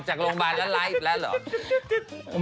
ออกจากโรงบาลและไลฟ์แล้วเหรอ